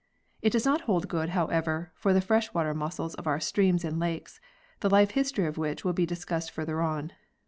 It does not hold good, how ever, for the fresh water mussels of our streams and lakes, the life history of which will be discussed further on.